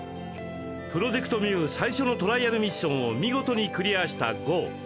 プロジェクト・ミュウ最初のトライアルミッションを見事にクリアしたゴウ。